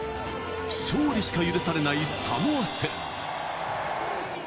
勝利しか許されないサモア戦。